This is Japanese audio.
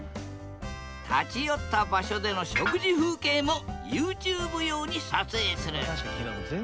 立ち寄った場所での食事風景もＹｏｕＴｕｂｅ用に撮影する。